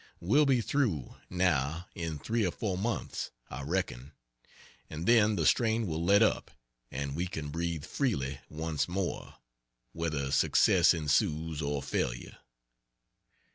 We'll be through, now, in 3 or 4 months, I reckon, and then the strain will let up and we can breathe freely once more, whether success ensues or failure.